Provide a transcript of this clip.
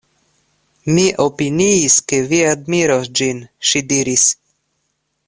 Mi opiniis ke vi admiros ĝin, ŝi diris.